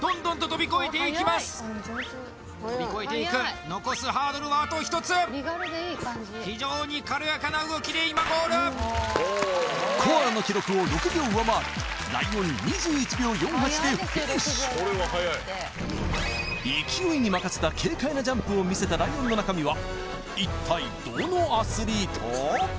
跳び越えていく残すハードルはあと１つ非常に軽やかな動きで今ゴールコアラの記録を６秒上回りライオン２１秒４８でフィニッシュ勢いに任せた軽快なジャンプを見せたライオンの中身は一体どのアスリート？